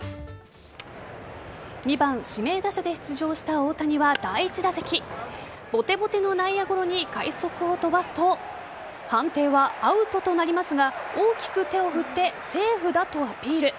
２番・指名打者で出場した大谷は第１打席ボテボテの内野ゴロに快足を飛ばすと判定はアウトとなりますが大きく手を振ってセーフだとアピール。